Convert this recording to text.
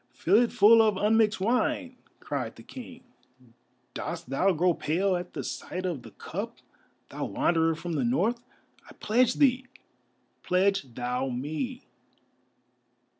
"Fill it full of unmixed wine!" cried the King. "Dost thou grow pale at the sight of the cup, thou Wanderer from the North? I pledge thee, pledge thou me!"